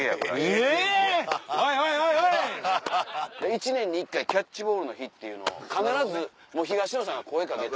一年に一回キャッチボールの日っていうのを必ず東野さんが声かけて。